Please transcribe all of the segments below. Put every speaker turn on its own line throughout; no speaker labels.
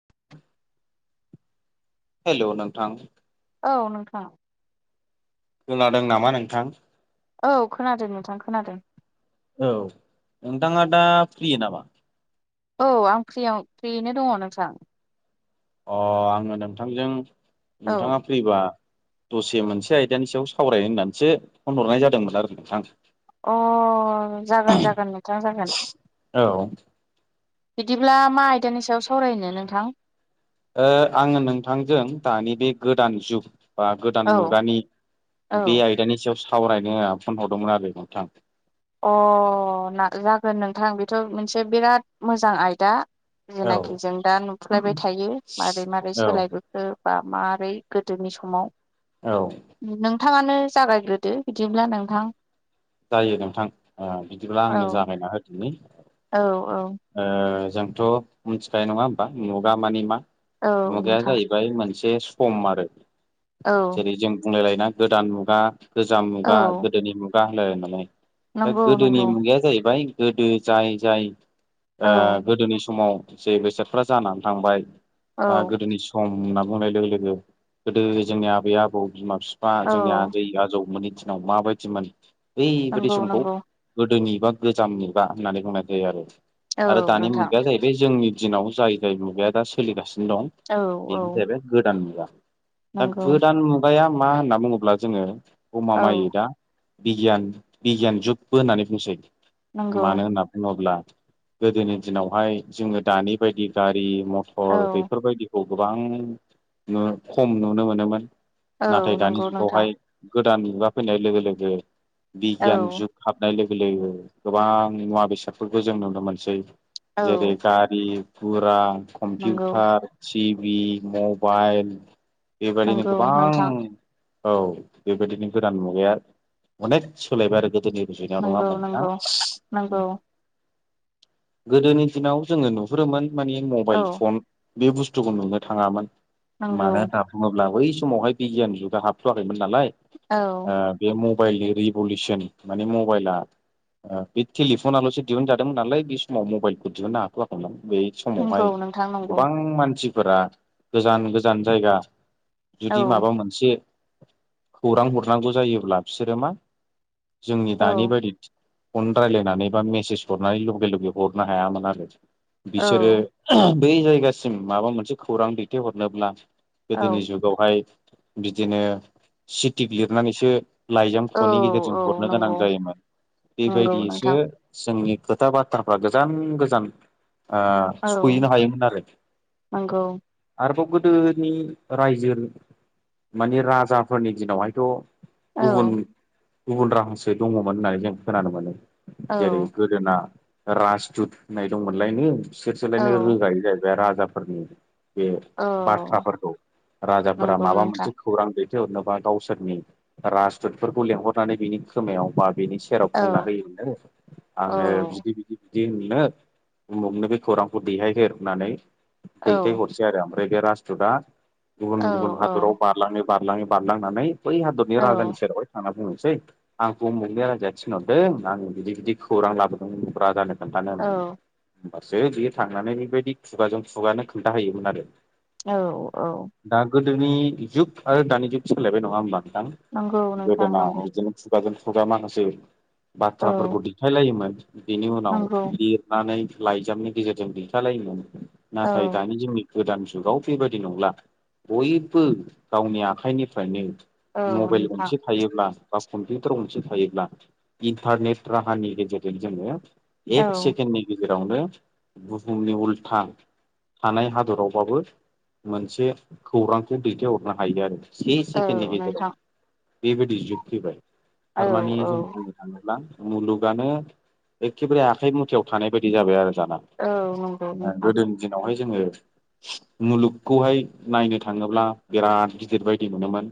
[inaudible] Hello नोंथां
औ नोंथां
खोनादों नामा नोंथां?
औ खोनादों नोंथां, खोनादों।
औ नोंथाङा दा फ्रि नामा?
औ आं फ्रियाव फ्रियैनो दङ नोंथां।
अ आङो नोंथांजों
औ
नोंथाङा फ्रिबा दसे मोनसे आयदानि सायाव सावराय होननानैसो फन हरनाय जादोंमोन आरो नोंथां।
अ जागोन जागोन नोंथां जागोन।
औ
बिदिब्ला मा आयदानि सायाव सावरायनो नोंथां
ओ आङो नोंथांजों दानि बे गोदान जुग बा
औ
गोदान मुगानि
औ
बे आयदानि सायाव सावरायनो फन हरदोंमोन आरो नोंथां।
अ ना-जागोन नोंथां बेथ' मोनसे बिराद मोजां आयदा।
औ
जायनाखि जों दा नुफ्लायबाय थायो मारै मारै
औ
सोलायबोखो बा माबोरै गोदोनि समाव
औ
नोंथाङानो जागायग्रोदो बिदिब्ला नोंथां।
जायो नोंथां ओ बिदिब्ला
औ
आंनो जागायना होदोनि।
औ औ
जोंथ' मिथिखानाय नङा होमबा मुगा माने मा
औ
मुगाया
नोंथां
जाहैबाय मोन एसे सम आरो
औ
जेरै जों बुंलायलायना गोदान मुगा गोजाम मुगा
औ
गोदोनि मुगा होनलाय आरो नालाय दा
नंगौ
गोदोनि
नंगौ
मुगाया जाहैबाय गोदो जाय जाय
औ
गोदोनि समाव जे बेसादफ्रा जानानै थांबाय बा
औ
गोदोनि सम होनना बुंनाय लोगो लोगो गोदो जोंनि आबै आबौ बिमा बिफा बा
औ
जोंनि आजै आजौ मोनैनि दिनाव माबायदिमोन बैबायदि
नंगौ
समखौ
नंगौ
गोदोनि गोजाम मुगा होननानै बुंनाय जायो आरो
औ
आरो दानि
नोंथां
मुगाया जाहैबाय जोंनि दिनाव जाय जाय मुगाया दा सोलिगासिनो
औ
दं
औ
बेनो जाहैबाय गोदान मुगा दा
नंगौ
गोदान मुगाया मा होनना बुङोब्ला जोङो गमा
औ
मायै दा बिगियान बिगियान जुगबो होननानै बुंसै
नंगौ
मानो होनना बुङोब्ला गोदोनि दिनावहाय जोङो दानि बायदि गारि मथर
औ
बेफोरबायदिखौ गोबां खम नुनो मोनोमोन
औ
नाथाय दानि
नंगौ नोंथां
जुगावहाय गोदान मुगा फैनाय लोगो लोगो
औ
बिगियान जुग हाबनाय लोगो गोबां मुवा बेसादफोरखौ जों नुनो मोनसै
औ
जेरै गारि गुरा
नंगौ
कम्पिउटार टिभि मबाइल बेबायदिनो
नंगौ
गोबां
नोंथां
औ बेबायदिनो गोदान मुगाया अनेक सोलायबाय आरो गोदोनि जुनायाव नङा
नंगौ
होमबा नोंथां?
नंगौ नंगौ
गोदोनि दिनाव जोङो नुहुरोमोन माने
औ
मबाइल फन बे बुस्थुखौ नुनो थाङामोन
नंगौ
मानो होन्ना बुङोब्ला बै समावहाय बिगियान जुदा हाबथ'वाखैमोन नालाय
औ
ओ बे म मबाइलनि रिभलिउसन माने मबाइला ओ बे टेलिफनाल'सो दिहुनजादोंमोन नालाय बे समाव मबाइलखौ दिहुननो हाथ'वाखैमोन बै
नंगौ
समावहाय
नोंथां नंगौ
गोबां मानसिफोरा गोजान गोजान जायगा
औ
जुदि माबा मोनसे खौरां हरनांगौ जायोब्ला बिसोरो मा जोंनि
औ
दानि बायदि फन रायज्लायनानै बा मेसेज हरनानै लगे लगे हरनो हायामोन आरो
औ
बिसोरो बै जायगासिम माबा मोनसे खौरां दैथायहरनोब्ला
औ
गोदोनि जुगावहाय बिदिनो सिटिक लिरनानैसो लाइजाम
औ
ख'नि गेजेरजों
औ
हरनो गोनां
नंगौ
जायोमोन
नंगौ
बेबायदियैसो
नोंथां
जोंनि खोथा बाथ्राफ्रा गोजान गोजान आ
औ
सहैनो हायोमोन आरो
नंगौ
आरोबाव गोद दोनि रायजो माने राजाफोरनि दिनावहायथ'
औ
गुबुन गुबुन राहासो दङमोन होननानै जों खोनानो मोनो
औ
जेरै गोदोना राजदुत होननाय दंमोनलायनो बिसोरसोलायनो रोगायो जाहैबाय राजाफोरनि बे
औ
बाथ्राफोरखौ राजाफोरा
नंगौ
माबा
नोंथां
मोनसे खौरां दै थाय हरनोबा गावसोरनि राजदुतफोरखौ लेंहरनानै बिनि खोमायाव बा बिनि सेराव बुंना
औ
होयोमोननो आङो
औ
बिदि बिदि बिदिनो उमुगनो बे खौरांखौ दैहायहोर होननानै
औ
दैथायहरसै आरो आमफाय बै बे राजदुतआ
औ
गुबुन गुबुन हादराव बारलाङै बारलाङै बारलांनानै बै बि
औ
राजानि सेरावहाय थांना बुङो सै आंखौमुगनि राजाया थिनहरदों आं बिदि बिदि खौरां लाबोदों राजानो। खोन्थानोम
औ
होमबासो बियो थांनानै बेबायदि खुगाजों खुगानो खोन्थाहैयोमोन आरो
औ औ।
दा गोदोनि जुग आरो दानि जुग सोलायबाय नङा होमबा नोंथां?
नंगौ नोंथां
गोदोना
नंगौ
बिदिनो खुगाजों खुगा माखासे
औ
बाथ्राफोरखौ दिेखायलायोमोन बेनि उनाव
नंगौ
लिरनानै लाइजामनि गेजेरजों दैथालायोमोन
औ
नाथाय दानि जोंनि गोदान जुगाव बेबायदि नंला बयबो गावनि आखाइनिफ्रायनो
औ
मबेइल
नोंथां
गंसे थायोब्ला बा कम्पिउटार गंसे थायोब्ला इन्टारनेट राहानि गेजेरजों जोङो
औ
एक सेकेणडनि गेजेरावनो बुहुमनि उल्था थानाय हादरावबाबो मोनसे खौरांखौ दैथायहरनो हायो आरोखि। से
औ
सेकेण्डनि गेजेराव
नोंथां
बेबायदि जुगफैबाय
औ
थारमानि
औ
जों बुंनो थाङोब्ला मुलुगानो एखेबारे आखाइ मुथायाव थानाय बायदि जाबाय आरो दाना
औ नंगौ नोंथां
गोदोनि दिनावहाय जोङो मुलुगखौहाय नायनो थाङोब्ला बिराद गिदिर बायदि मोनोमोन।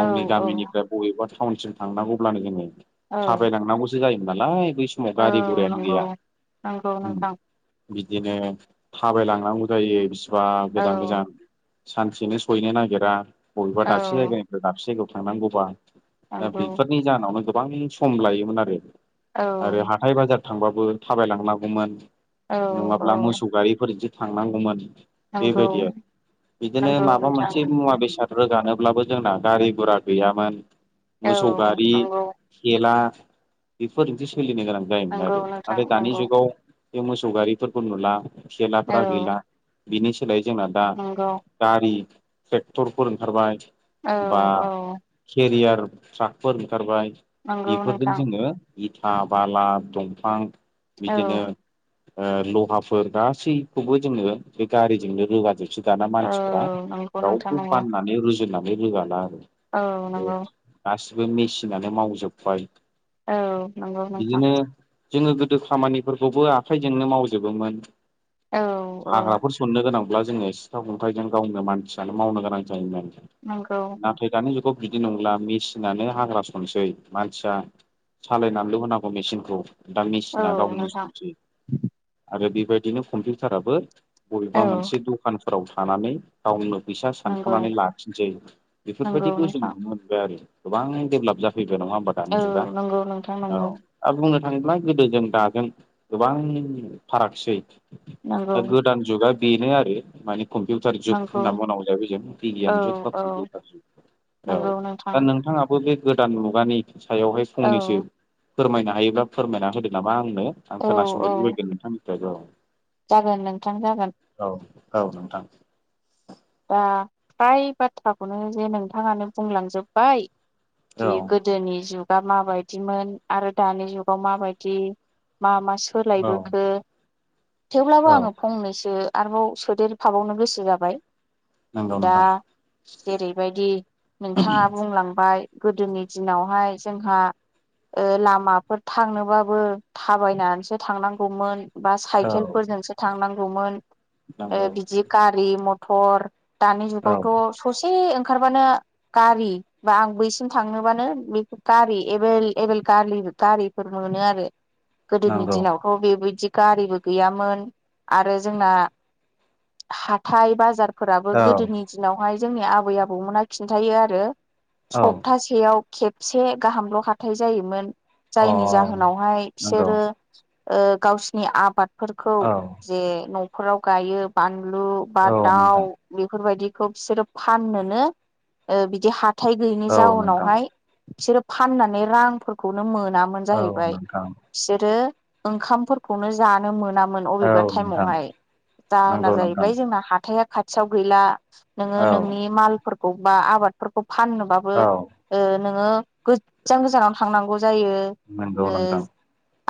औ औ
गामिनिफ्राय बबेबा टाउनसिम थांनांगौब्लानो जोङो
औ
थाबायलांनांगौसो जायोमोन नालाय बै समाव
औ
गारि घुरायानो
नंगौ
गैया
नंगौ
उम।
नोंथां
बिदिनो थाबायलांनांगौ जायो बिसिबा
औ
गोजान गोजान सानसेनो सहैनो नागिरा बबेबा दाबसे
औ
जायगानिफ्राय दाबसे जायगायाव थांनांगौबा
नंगौ
बेफोरनि जाहोनावनो गोबां सम लायोमोन आरो
औ
आरो हाथाय बाजार थांबाबो थाबायलांनांगौमोन
औ औ
नङाब्ला मोसौ गारिफोरजों थांनांगौमोन
नंगौ
बेबायदि आरो बिदिनो
नंगौ
माबा
नोंथां
मोनसे मुवा बेसाद रोगानोब्लाबो जोंना गारि गुरा गैयामोन मोसौ
औ
गारि
नंगौ
खेला बेफोरजोंदि सोलिनो गोनां जायोमोन
नंगौ
आरो
नोंथां
नाथाय दानि
नंगौ
जुगाव बे मोसौ गारिफोरखौ नुला थेलाफ्रा
औ
गैला बिनि सोलाय जोंना दा
नंगौ
गारि ट्रेक्टरफोर ओंखारबाय
औ
बा
औ
केरियार ट्राकफोर ओंखारबाय।
नंगौ
बेफोरजों
नोंथां
जोङो इथा बाला दंफां बिदिनो
औ
ओ लहाफोर गासैखौबो जोङो बे गारिजोंनो रोगाजोबनो रोगाना दाना
औ
मानसिफ्रा
नंगौ नोंथां
रावखौ
नंगौ
फाननानै रुजुनानै रोगाला आरो
औ नंगौ।
बे गासिबो मेसिनानो मावजोबबाय
औ नंगौ नोंथां।
बिदिनो जोङो गोदो खामानिफोरखौबो आखाइजोंनो मावजोबोमोन।
औ औ
हाग्राफोर संनो गोनांब्ला जोङो सिथाव खन्थाइजों गावनो मानसियानो मावनो गोनां जायोमोन
नंगौ
नाथाय दानि जुगाव बिदि नंला मेसिनानो हाग्रा सनसै मानसिया सालायनानैल' होनांगौ मेसिनखौ। दा
औ
मेसिना गावनो
नोंथां
सनसै आरो बेबायदिनो कम्पिउटाराबो बबेबा
औ
मोनसे दखानफोराव थानानै गावनो फैसा
नंगौ
सानख'नानै लाखि जै
नंगौ
बेफोरबायदिखौ जों
नोंथां
नुनो मोनबाय आरो गोबां डेभलप जाखायो। फैद नङा हबा दानि
औ
जुगा
नंगौ नोंथां
औ
नंगौ
दा बुंनो सानब्ला गोदो जों दाजों गोबां फारागसै
नंगौ
दा गोदान जुगा बेनो आरो माने कम्पिउटार जुग
नंगौ
होनना बुंनांगौ जाहैबाय जों
औ
बिगियान जुग। बा
औ
औ
नंगौ नोंथां
दा नोंथाङा बे गोदान मुगानि सायावहाय
औ
फंनैसो फोरमायनो हायोब्लाा फोरमायना होदो नामा आंनो? आं
औ औ
खोनासंनो लुबैगोन नोंथांनिफ्राय र'
जागोन नोंथां जागोन।
औ नोंथां।
दा फ्राय बाथ्राखौनो जे नोंथाङानो बुंलांजोबबायव
औ
गि गोदोनि जुग बा माबायदिमोन आरो दानि जुगाव माबायदि मा मा?
औ
सोलायबोखो? थेवब्लाबो
औ
आङो फंनैसो आरोबाव सोदेरफाबावनो गोसो जाबाय।
नंगौ
दा
नोंथां
जेरैबायदि नोंथाङा बुंलांबाय। गोदोनि दिनावहाय जोंहा ओ लामाफोर थांनोबाबो थाबायनानैसो थांनांगौमोन। बा
औ
साइकेलफोरजोंसो थांनांगौमोन
नंगौ
बिदि गारि-मथर। दानि
औ
जुगावथ' ससे ओं ओंखारबानो गारि बा आं बैसिम थांनोबानो बे गारि एबेल एभेल गारि गारिफोर मोनो आरो। गोदोनि
नंगौ
दिनावथ' बेबायदि गारिबो गैयामोन। आरो जोंना हाथथाय बा फोराबो
औ
गोदोनि दिनावहाय जोंनि आबै आबौमोना खिन्थायो आरो
औ
सप्तासेयाव खेबसे गाहामल' हाथथाय जायोमोन।
अ
जायनि जाहोनावहाय
नंगौ
बिसोरो ओ गावसिनि आबादफोरखौ
औ
जे न'फोराव गायो बानलु बा
औ नोंथां
दाउ बेफोरबायदिखौ बिसोरो फाननोनो ओ बिदि हा फिथाइ गैयिनि
औ नोंथां
जाउनावहाय बिसोरो फाननानै रांफोरखौनो मोनो मोना
औ
जाहैबाय
नोंथां
बिसोरो ओंखामनो जानो मोना मोन अबेबा
औ नोंथां
टाइमहाय दाहोना
नंगौ नोंथां
जाहैबाय जों हा हथाया खाथियाव गैला। नोङो
औ
नोंनि मालफोरखौ बा आबादफोरखौ फाननोबाबो
औ
ओ नोङो गोजान गोजानाव थांनांगौ जा जायो
नंगौ
ओ
नोंथां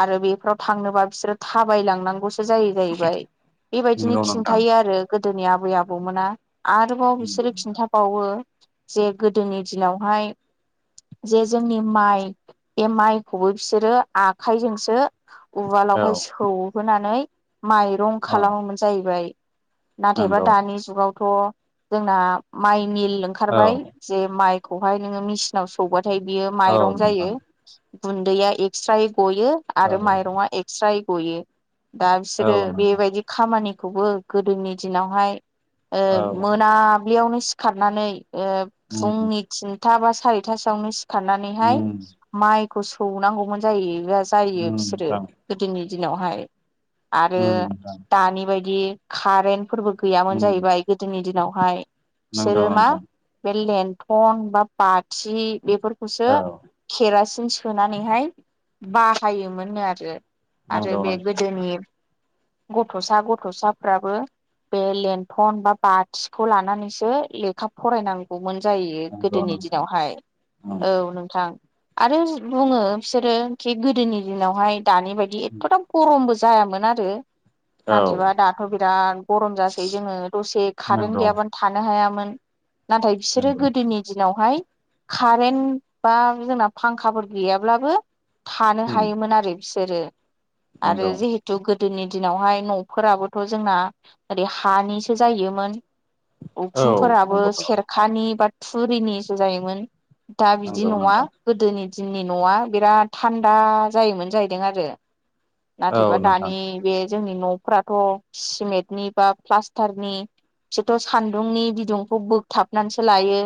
आरो बेफोराव थांनोबा बिसोरो थाबाय लांनागौ जायो। जायो जाहैबाय बेबायदिनो
नंगौ नोंथां
खिन्थायो आरो गोदोनि आबै आबौमोना। आरोबाव
नंगौ
बिसोरो
नोंथां
खिन्थाबावो जे गोदोनि दिनावहाय जे जोंनि माइ बे माइखौबो बिसोरो आखाइजोंसो
औ
उवालावहाय सौहोनानै माइरं
औ
खालामोमोन जाहैबाय। नाथायबा
नंगौ
दानि जुगावथ' जोंना माइ मिल
औ
ओंखारबाय जे माइ खौहाय नोंङो मेसिनाव सौबाथाय बियो
औ
माइरं जायो
नोंथां
गुन्दैया एक्सट्रा गयो
औ
आरो माइरंआ एक्सट्राय गयो दा
औ
बिसोरो
नोंथां
बेबायदि खामानि खौबो गोदोनि दिनावहाय ओ
औ नोंथां
मोनाब्लियावनो सिखारनानै ओ
उम
फुंनि थिनथा बा सारिथासोयावनो सिखारनानैहाय
उम
माइ खौ सौनांगौमोन जायोबा जायो
उम
बिसोरो
नोंथां
गोदोनि दिनावहाय आरो
उम नोंथां
दानि बायदि कारेन्टफोरबो गैयामोन
उम
जाहैबाय गोदोनि दिनाव हाय
नंगौ
बिसोरो मा
नोंथां
बे लेन्थन बा बाथि बेफोरखौसो
औ
केरासिन सोनानैहाय बाहायोमोन आरो आरो
नंगौ
बे
नोंथां
गोदोनि गथ'सा गथ'साफ्राबो बे लेन्थन बा बाथिखौ लानानैसो लेखा फरायनांगौमोन। जायो
नंगौ
गोदोनि
नोंथां
दिनावहाय
उम
औ नोंथां आरो बुंङो बिसोरो खि गोदोनि दिनावहाय दानि बायदि एथ'दाम गरमबो जायामोन आरो
औ
नाथाइबा दाथ' बिराद खम जासै जोंङो दसे कारेन्त
नंगौ
गैयाबानो थानो हायामोन। नाथाय बिसोरो
नंगौ
गोदोनि दिनावहाय कारेन्ट बा जोंना फांखाफोर गैयाब्लाबो थानो
उम
हायोमोन आरो बिसोरो आरो
नंगौ
जिहेथु गोदोनि दिनावहाय न'फोराबोथ' जोंना ओरै हानिसो जायोमोन
औ
उखुमफोराबो
नंगौथ'
सेरखानि बा थुरिनिसो जायोमोन दा बिदि
नंगौ
नंङा
नोंथां
गोदोनि दिननि न'आ बिराद थान्दा जायोमोन जाहैदों आरो
औ
नाथायबा
नोंथां
दानि बे जोंनि न'फ्राथ' सिमेन्ट नि बा प्लास्टारनि बिसोरथ' सान्दुंनि बिदुंखौ बोगथाबनानैसो लायो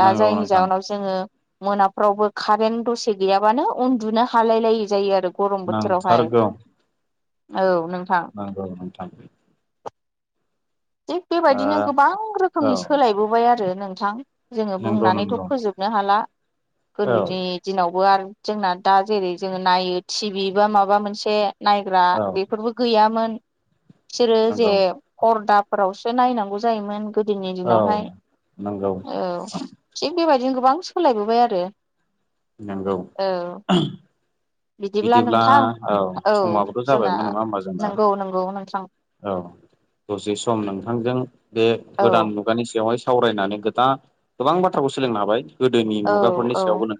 दा
नंगौ
जायनि
नोंथां
जाहोनाव जोंङो मोनाफ्रावबो कारेन्ट दसे गैयाबानो उन्दुनो हालाय लाय जायो आरो गरम बोथोरावहाय औ नोंथां
औ नंगौ नोंथां
थिग
ओ
बेबायदिनो गोबां रोखोमनि
औ
सोलायबोबाय आरो नोंथां जोंङो
नंगौ
बुंनानैथ'
नंगौ
फोजोबनो हाला
औ
गोदोनि दिनावबो आरो जोंना दा जेरै जोंङो नायो टिभि बा माबा मोनसे नायग्रा
औ
बेफोरबो गैयामोन। बिसोरो जे
नंगौ
फरदाफोरावसो नायनांगौ जायोमोन। गोदोनि
औ
दिनावहाय
नंगौ
ओ थिग बेबायदिनो गोबां सोलायबोबाय आरो
नंगौ
औ
बिदिब्ला औ समाबोथ'
जोंना
जाबायमोन नंङा होमबा जोंना
नंगौ नंगौ नोंथां
औ दसे सम नोंथांजों बे
औ
गोदान मुगानि बेवहाय सावरायनानै गोदान गोबां बाथ्राखौ सोलोंनो हाबाय गोदोनि
औ
मुगाफोरनि
औ
सायावबो नों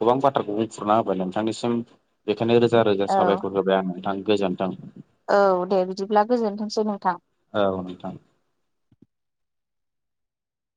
गोबां बाथ्राखौ बुंखुरना होबाय नोंथांनिसिम बेखायनो रोजा रोजा
औ
साबायखर होबाय आं नोंथां गोजोन्थों
औ दे बिदिब्ला गोजोनथोंसै नोंथां
औ नोंथां